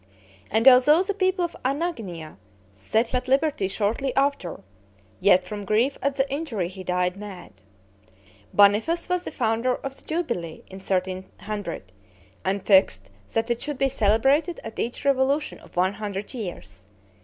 And although the people of Anagnia set him at liberty shortly after, yet from grief at the injury he died mad. Boniface was founder of the jubilee in 1300, and fixed that it should be celebrated at each revolution of one hundred years.